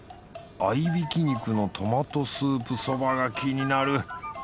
合いびき肉のトマトスープソバが気になる！